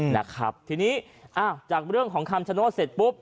นะครับทีนี้อ้าวจากเรื่องของคำชโนธเสร็จปุ๊บ